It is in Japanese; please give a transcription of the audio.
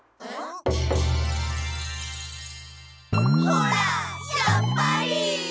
ほらやっぱり！